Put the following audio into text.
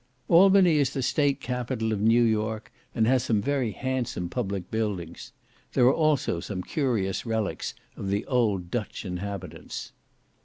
Albany is the state capital of New York, and has some very handsome public buildings; there are also some curious relics of the old Dutch inhabitants.